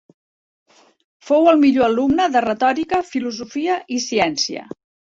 Fou el millor alumne de retòrica, filosofia i ciència.